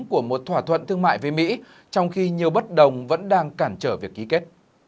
của một thỏa thuận thương mại với mỹ trong khi nhiều bất đồng vẫn đang cản trở việc ký kết